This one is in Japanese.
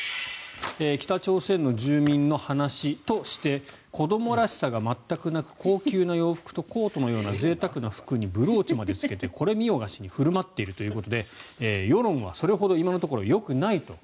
北朝鮮の住民の話として子どもらしさが全くなく高級な洋服とコートのようなぜいたくな服にブローチまでつけてこれ見よがしに振る舞っているということで世論はそれほど今のところよくないと。